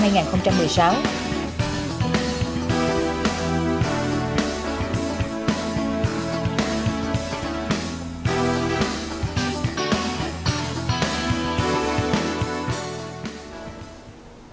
hãy đăng ký kênh để ủng hộ kênh của mình nhé